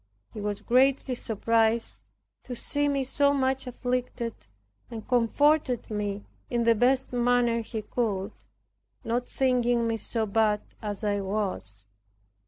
He was greatly surprised to see me so much afflicted, and comforted me in the best manner he could, not thinking me so bad as I was.